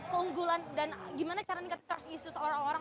keunggulan dan gimana cara meningkatkan trust issue seorang orang